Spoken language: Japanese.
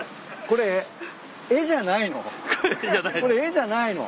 これ絵じゃないの？